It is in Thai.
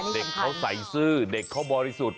เด็กเขาใส่ซื่อเด็กเขาบริสุทธิ์